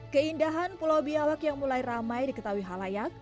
keindahan pulau biawak yang mulai ramai di ketawi halayak